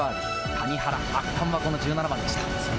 谷原、圧巻はこの１７番でした。